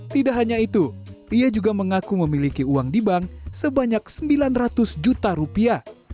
tidak hanya itu ia juga mengaku memiliki uang di bank sebanyak sembilan ratus juta rupiah